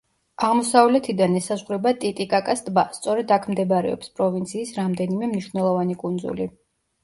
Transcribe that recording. აღმოსავლეთიდან ესაზღვრება ტიტიკაკას ტბა, სწორედ აქ მდებარეობს პროვინციის რამდენიმე მნიშვნელოვანი კუნძული.